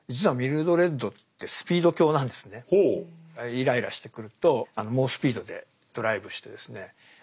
イライラしてくると猛スピードでドライブしてですね